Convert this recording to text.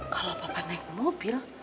kalau papa naik mobil